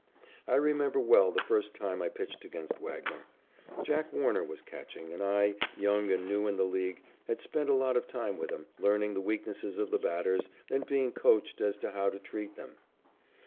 I remember well the first time I pitched against Wagner. Jack Warner was catching, and I, young and new in the League, had spent a lot of time with him, learning the weaknesses of the batters and being coached as to how to treat them.